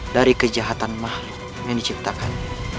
dari kejahatan mahluk yang diciptakan